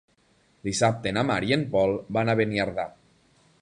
Dissabte na Mar i en Pol van a Beniardà.